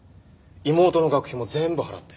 妹の学費も全部払って。